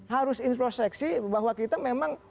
harus introspeksi bahwa kita memang